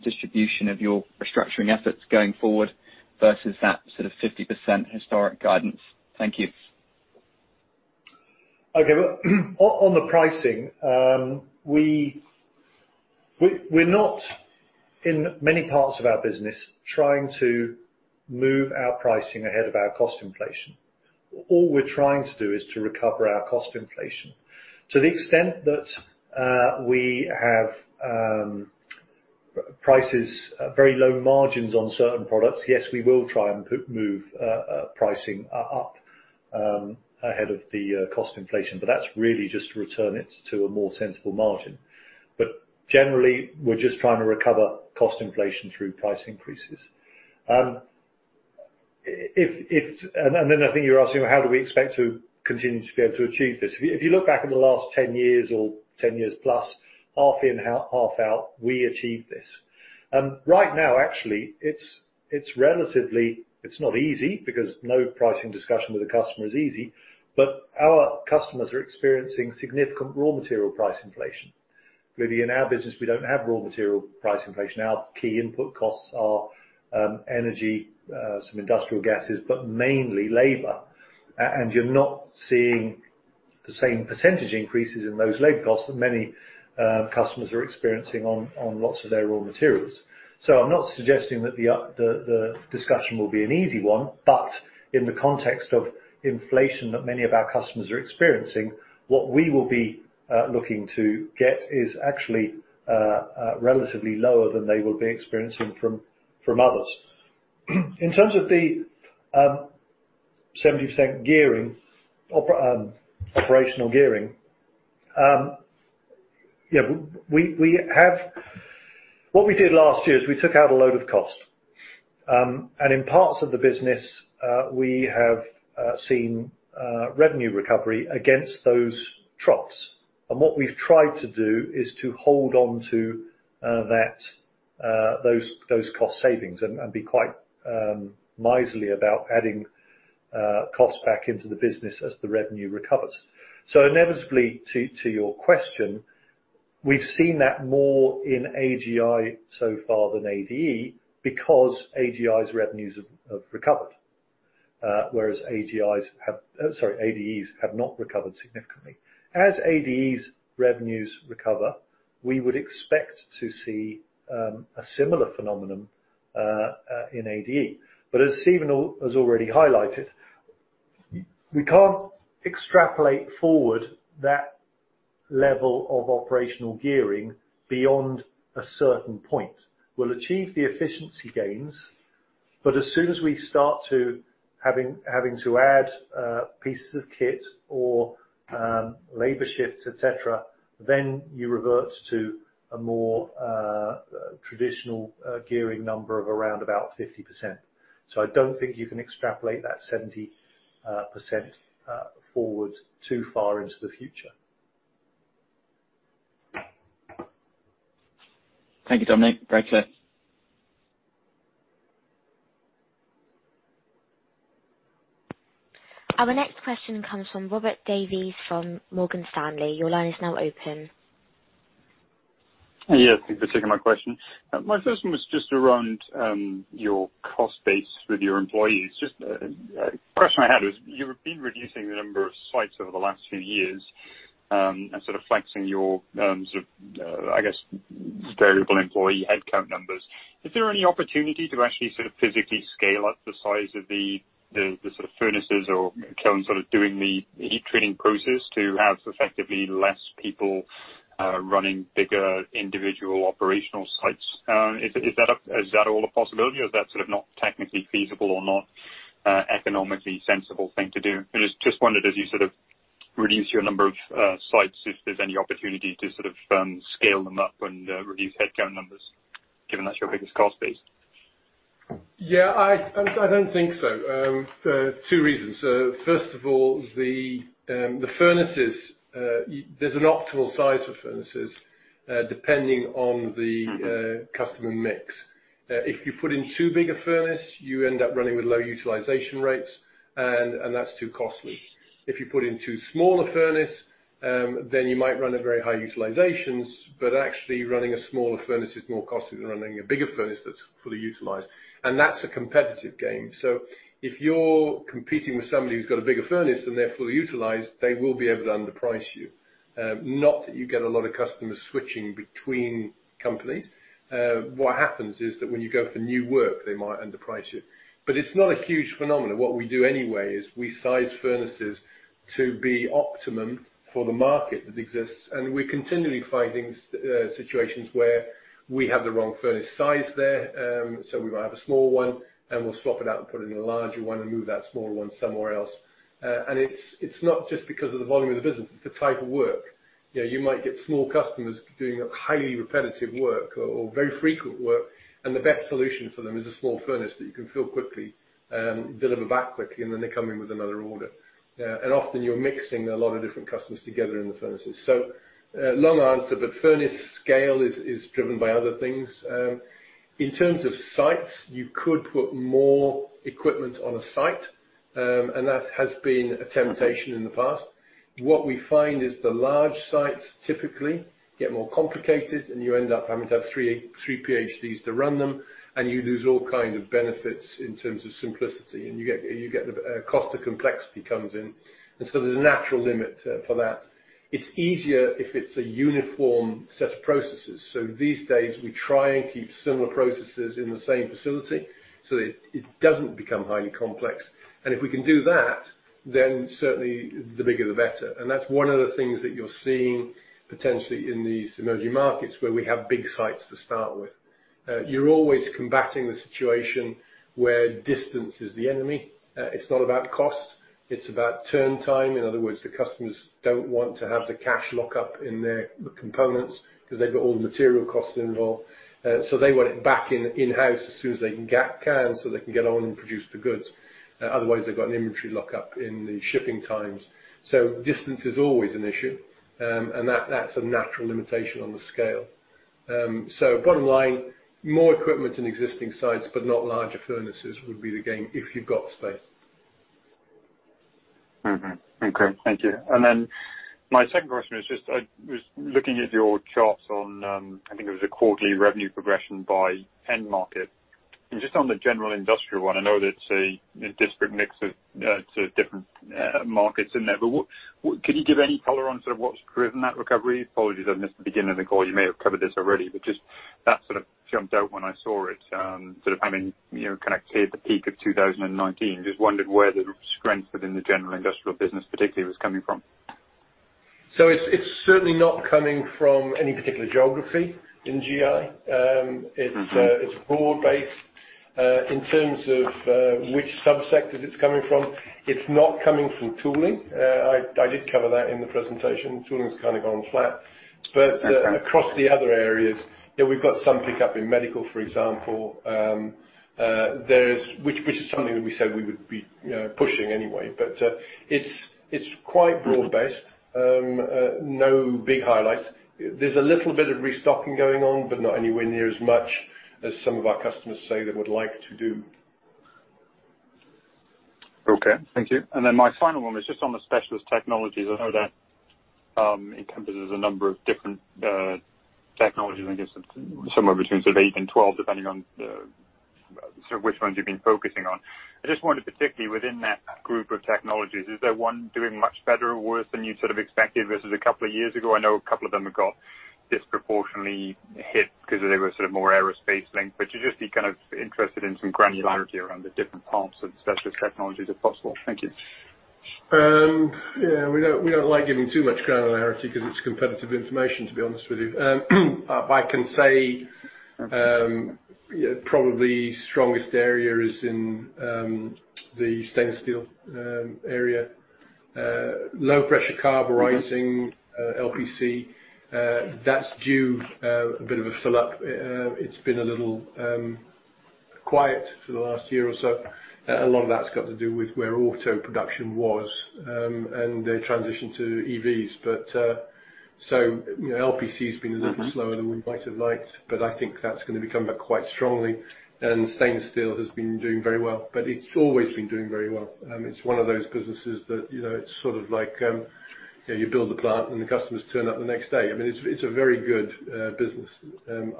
distribution of your restructuring efforts going forward versus that sort of 50% historic guidance. Thank you. Okay. Well, on the pricing, we're not in many parts of our business trying to move our pricing ahead of our cost inflation. All we're trying to do is to recover our cost inflation. To the extent that we have prices very low margins on certain products, yes, we will try and move pricing up ahead of the cost inflation. But that's really just to return it to a more sensible margin. But generally, we're just trying to recover cost inflation through price increases. If, and then I think you're asking, well, how do we expect to continue to be able to achieve this? If you look back at the last 10 years or 10 years plus, half in, half out, we achieved this. Right now, actually, it's relatively not easy because no pricing discussion with a customer is easy. But our customers are experiencing significant raw material price inflation. Clearly, in our business, we don't have raw material price inflation. Our key input costs are energy, some industrial gases, but mainly labor. And you're not seeing the same percentage increases in those labor costs that many customers are experiencing on lots of their raw materials. So I'm not suggesting that the discussion will be an easy one. But in the context of inflation that many of our customers are experiencing, what we will be looking to get is actually relatively lower than they will be experiencing from others. In terms of the 70% gearing, operational gearing, you know, we have what we did last year is we took out a load of cost. And in parts of the business, we have seen revenue recovery against those troughs. And what we've tried to do is to hold on to those cost savings and be quite miserly about adding costs back into the business as the revenue recovers. So inevitably, to your question, we've seen that more in AGI so far than ADE because AGI's revenues have recovered, whereas AGI's have, sorry, ADE's have not recovered significantly. As ADE's revenues recover, we would expect to see a similar phenomenon in ADE. But as Stephen has already highlighted, we can't extrapolate forward that level of operational gearing beyond a certain point. We'll achieve the efficiency gains, but as soon as we start having to add pieces of kit or labor shifts, etc., then you revert to a more traditional gearing number of around about 50%. So I don't think you can extrapolate that 70% forward too far into the future. Thank you, Dominique. Very clear. Our next question comes from Robert Davies from Morgan Stanley. Your line is now open. Yeah. Thank you for taking my question. My first one was just around your cost base with your employees. Just, question I had was you've been reducing the number of sites over the last few years, and sort of flexing your, sort of, I guess, variable employee headcount numbers. Is there any opportunity to actually sort of physically scale up the size of the, the, the sort of furnaces or kilns sort of doing the heat-treating process to have effectively less people running bigger individual operational sites? Is that a possibility, or is that sort of not technically feasible or not economically sensible thing to do? I just wondered, as you sort of reduce your number of sites, if there's any opportunity to sort of scale them up and reduce headcount numbers given that's your biggest cost base. Yeah. I don't think so. For two reasons. First of all, the furnaces, yeah, there's an optimal size for furnaces, depending on the customer mix. If you put in too big a furnace, you end up running with low utilization rates, and that's too costly. If you put in too small a furnace, then you might run at very high utilizations. But actually, running a smaller furnace is more costly than running a bigger furnace that's fully utilized. And that's a competitive game. So if you're competing with somebody who's got a bigger furnace and they're fully utilized, they will be able to underprice you. Not that you get a lot of customers switching between companies. What happens is that when you go for new work, they might underprice you. But it's not a huge phenomenon. What we do anyway is we size furnaces to be optimum for the market that exists. We're continually finding situations where we have the wrong furnace size there. So we might have a small one, and we'll swap it out and put in a larger one and move that smaller one somewhere else. It's, it's not just because of the volume of the business. It's the type of work. You know, you might get small customers doing highly repetitive work or, or very frequent work. The best solution for them is a small furnace that you can fill quickly, deliver back quickly, and then they come in with another order. Often, you're mixing a lot of different customers together in the furnaces. So, long answer, but furnace scale is, is driven by other things. In terms of sites, you could put more equipment on a site. That has been a temptation in the past. What we find is the large sites typically get more complicated, and you end up having to have three or three PhDs to run them. You lose all kind of benefits in terms of simplicity. You get the cost of complexity comes in. There's a natural limit for that. It's easier if it's a uniform set of processes. These days, we try and keep similar processes in the same facility so that it doesn't become highly complex. If we can do that, then certainly, the bigger, the better. That's one of the things that you're seeing potentially in these emerging markets where we have big sites to start with. You're always combating the situation where distance is the enemy. It's not about cost. It's about turn time. In other words, the customers don't want to have the cash lock up in their components because they've got all the material costs involved. So they want it back in-house as soon as they can, so they can get on and produce the goods. Otherwise, they've got an inventory lock up in the shipping times. So distance is always an issue. And that, that's a natural limitation on the scale. So bottom line, more equipment in existing sites but not larger furnaces would be the game if you've got space. Mm-hmm. Okay. Thank you. And then my second question is just I was looking at your charts on, I think it was a quarterly revenue progression by end market. And just on the general industrial one, I know that it's a disparate mix of, sort of different, markets in there. But what can you give any color on sort of what's driven that recovery? Apologies. I missed the beginning of the call. You may have covered this already, but just that sort of jumped out when I saw it, sort of having, you know, kinda cleared the peak of 2019. Just wondered where the strength within the general industrial business particularly was coming from. So it's certainly not coming from any particular geography in AGI. It's broad-based. In terms of which subsectors it's coming from, it's not coming from tooling. I did cover that in the presentation. Tooling's kinda gone flat. But across the other areas, you know, we've got some pickup in medical, for example. There's, which is something that we said we would be, you know, pushing anyway. But it's quite broad-based. No big highlights. There's a little bit of restocking going on but not anywhere near as much as some of our customers say they would like to do. Okay. Thank you. Then my final one was just on the Specialist Technologies. I know that it encompasses a number of different technologies. I guess it's somewhere between sort of eight and 12 depending on sort of which ones you've been focusing on. I just wondered particularly within that group of technologies, is there one doing much better or worse than you sort of expected versus a couple of years ago? I know a couple of them have got disproportionately hit because they were sort of more aerospace-linked. You just be kind of interested in some granularity around the different parts of Specialist Technologies if possible. Thank you. Yeah. We don't like giving too much granularity because it's competitive information, to be honest with you. I can say, you know, probably strongest area is in the stainless steel area. Low pressure carburizing, LPC. That's due to a bit of a fill-up. It's been a little quiet for the last year or so. A lot of that's got to do with where auto production was and their transition to EVs. But so, you know, LPC's been a little slower than we might have liked. But I think that's gonna come back quite strongly. And stainless steel has been doing very well. But it's always been doing very well. It's one of those businesses that, you know, it's sort of like, you know, you build the plant, and the customers turn up the next day. I mean, it's a very good business.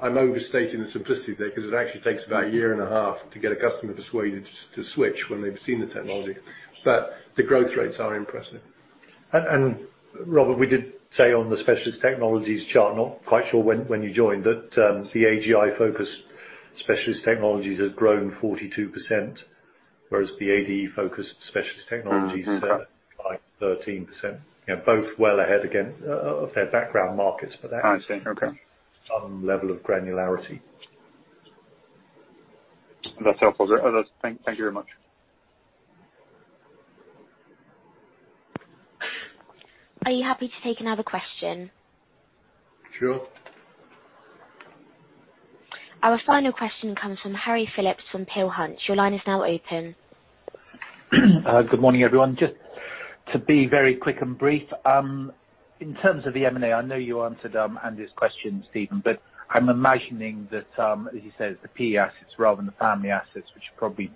I'm overstating the simplicity there because it actually takes about a year and a half to get a customer persuaded to switch when they've seen the technology. The growth rates are impressive. And, Robert, we did say on the Specialist Technologies chart, not quite sure when, when you joined, that the AGI-focused Specialist Technologies have grown 42%, whereas the ADE-focused Specialist Technologies are up by 13%. You know, both well ahead again of their background markets. But that. I see. Okay. Some level of granularity. That's helpful. Other thanks, thank you very much. Are you happy to take another question? Sure. Our final question comes from Harry Phillips from Peel Hunt. Your line is now open. Good morning, everyone. Just to be very quick and brief, in terms of the M&A, I know you answered Andy's question, Stephen. But I'm imagining that, as you say, it's the HIP assets rather than the family assets, which are probably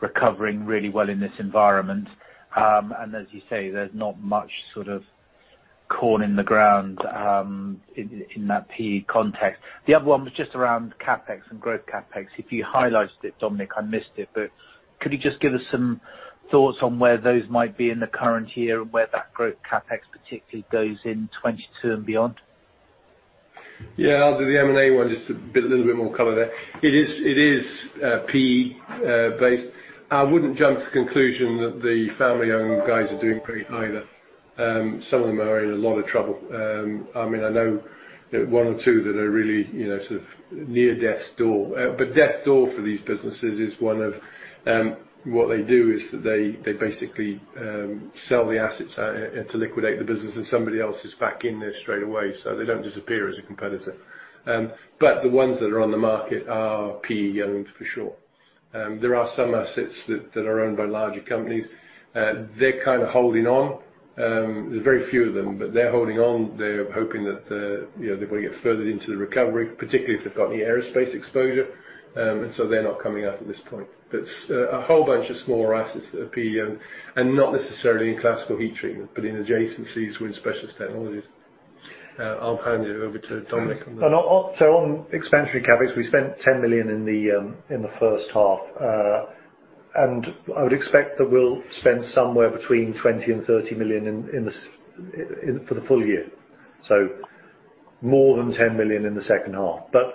recovering really well in this environment. And as you say, there's not much sort of corn in the ground, in, in that HIP context. The other one was just around CapEx and growth CapEx. If you highlighted it, Dominique, I missed it. But could you just give us some thoughts on where those might be in the current year and where that growth CapEx particularly goes in 2022 and beyond? Yeah. I'll do the M&A one just a bit a little bit more color there. It is PE-based. I wouldn't jump to the conclusion that the family-owned guys are doing great either. Some of them are in a lot of trouble. I mean, I know, you know, one or two that are really, you know, sort of near death's door. But death's door for these businesses is one of what they do is that they basically sell the assets out to liquidate the business. And somebody else is back in there straight away. So they don't disappear as a competitor. But the ones that are on the market are PE-owned for sure. There are some assets that are owned by larger companies. They're kinda holding on. There's very few of them. But they're holding on. They're hoping that, you know, they wanna get further into the recovery, particularly if they've got any aerospace exposure. And so they're not coming up at this point. But it's a whole bunch of smaller assets that are PE-owned and not necessarily in classical heat treatment but in adjacencies with Specialist Technologies. I'll hand it over to Dominique on that. And I'll also on expenditure CapEx, we spent 10 million in the first half. And I would expect that we'll spend somewhere between 20 million and 30 million in the second half for the full year. So more than 10 million in the second half. But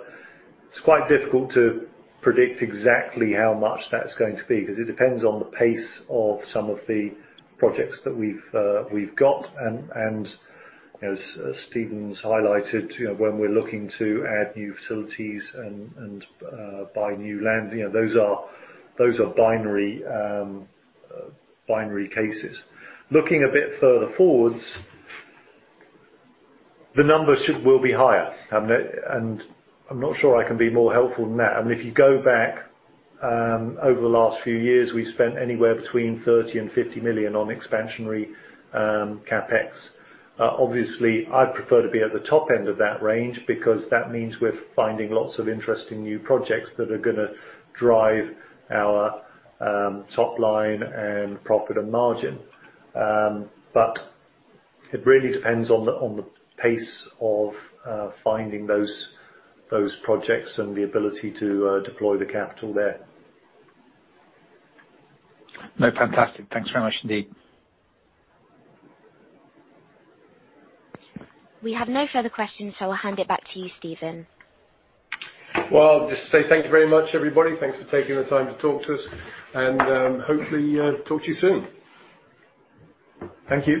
it's quite difficult to predict exactly how much that's going to be because it depends on the pace of some of the projects that we've got. And, you know, as Stephen's highlighted, you know, when we're looking to add new facilities and buy new land, you know, those are binary cases. Looking a bit further forwards, the numbers should will be higher. I mean, and I'm not sure I can be more helpful than that. I mean, if you go back, over the last few years, we've spent anywhere between 30 million and 50 million on expansionary CapEx. Obviously, I'd prefer to be at the top end of that range because that means we're finding lots of interesting new projects that are gonna drive our top line and profit and margin. But it really depends on the pace of finding those projects and the ability to deploy the capital there. No, fantastic. Thanks very much, indeed. We have no further questions, so I'll hand it back to you, Stephen. Well, I'll just say thank you very much, everybody. Thanks for taking the time to talk to us. And hopefully, talk to you soon. Thank you.